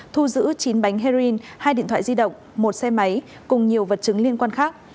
thu giữ chín bánh heroin hai điện thoại di động một xe máy cùng nhiều vật chứng liên quan khác